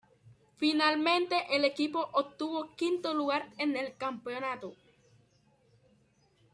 Finalmente el equipo obtuvo quinto lugar en el campeonato.